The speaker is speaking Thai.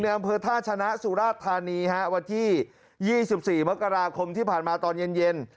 อำเภอท่าชนะสุราชธานีฮะวันที่๒๔มกราคมที่ผ่านมาตอนเย็น